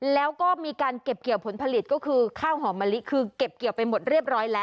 แล้วก็มีการเก็บเกี่ยวผลผลิตก็คือข้าวหอมมะลิคือเก็บเกี่ยวไปหมดเรียบร้อยแล้ว